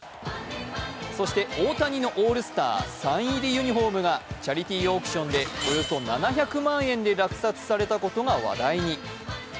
そして大谷のオールスターサイン入りユニフォームがチャリティーオークションでおよそ７００万円で落札されたことが話題に。